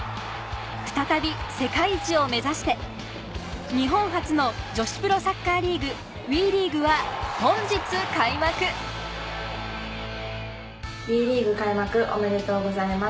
再び世界一を目指して日本初の女子プロサッカーリーグＷＥリーグは本日開幕ＷＥリーグ開幕おめでとうございます。